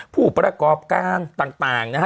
ผู้ประกอบการต่างนะฮะ